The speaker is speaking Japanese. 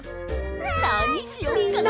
なにしよっかな？